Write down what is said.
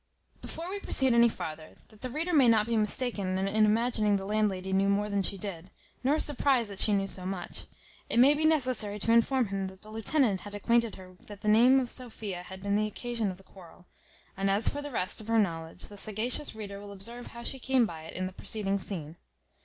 Before we proceed any farther, that the reader may not be mistaken in imagining the landlady knew more than she did, nor surprized that she knew so much, it may be necessary to inform him that the lieutenant had acquainted her that the name of Sophia had been the occasion of the quarrel; and as for the rest of her knowledge, the sagacious reader will observe how she came by it in the preceding scene.